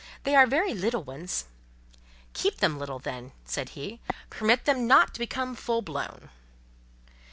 "They are very little ones—?" "Keep them little, then," said he. "Permit them not to become full blown."